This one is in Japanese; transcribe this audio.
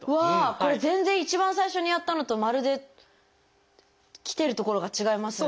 これ全然一番最初にやったのとまるできてる所が違いますね。